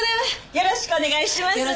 よろしくお願いします。